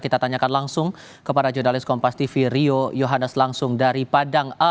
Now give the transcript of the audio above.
kita tanyakan langsung kepada jurnalis kompas tv rio yohanes langsung dari padang